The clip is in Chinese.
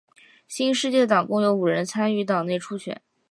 新世界党共有五人参与党内初选。